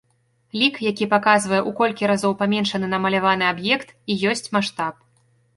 Лік, які паказвае, у колькі разоў паменшаны намаляваны аб'ект, і ёсць маштаб.